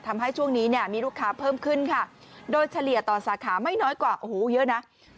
ทำให้ช่วงนี้เนี่ยมีลูกค้าเพิ่มขึ้นค่ะโดยเฉลี่ยต่อสาขาไม่น้อยกว่าโอ้โหเยอะนะ